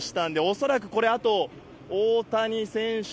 恐らくこれ、あと大谷選手